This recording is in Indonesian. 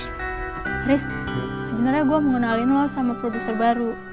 chris sebenarnya gue mau ngenalin lo sama produser baru